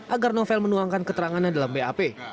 agar novel menuangkan keterangannya dalam bap